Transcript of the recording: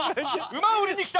馬を売りに来た！